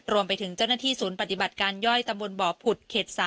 รวมไปถึงเจ้าหน้าที่ศูนย์ปฏิบัติการย่อยตำบลบ่อผุดเขต๓